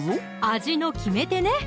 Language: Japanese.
味の決め手ね